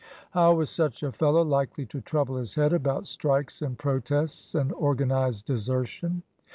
How was such a fellow likely to trouble his head about strikes, and protests, and organised desertion?